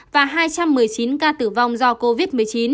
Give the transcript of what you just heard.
và hai trăm một mươi chín ca tử vong do covid một mươi chín